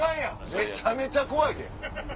めちゃめちゃ怖いで。